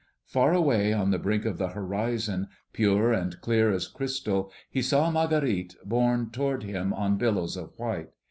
Far away, on the brink of the horizon, pure and clear as crystal, he saw Marguerite borne toward him on billows of white.